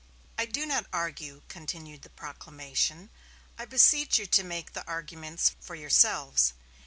"I do not argue," continued the proclamation, "I beseech you to make the arguments for yourselves.